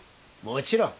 もちろん。